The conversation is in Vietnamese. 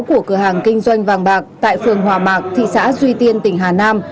của cửa hàng kinh doanh vàng bạc tại phường hòa mạc thị xã duy tiên tỉnh hà nam